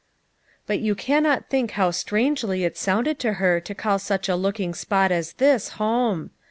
" But you cannot think how strangely it sounded to her to call such a looking spot as this home.